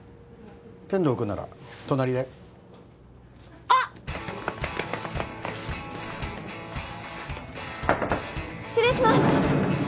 天堂君なら隣だよあっ失礼します